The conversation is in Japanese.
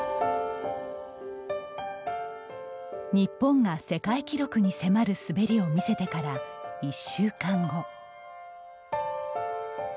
日本が世界記録に迫る滑りを見せてから１週間後。